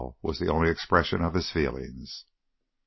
_" was the only expression of his feelings.